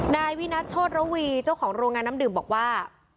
นายวินัทโชธระวีเจ้าของโรงงานน้ำดื่มบอกว่า